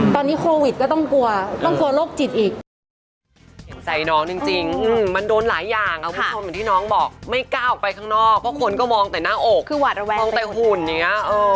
ตอนนี้โควิดก็ต้องกลัวต้องกลัวโรคจิตอีก